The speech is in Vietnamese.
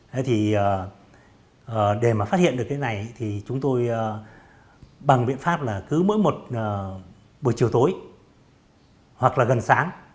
thế thì để mà phát hiện được cái này thì chúng tôi bằng biện pháp là cứ mỗi một buổi chiều tối hoặc là gần sáng